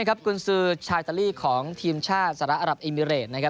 กุญสือชายสัลลี่ของทีมชาติสระอัลับอิมิเรต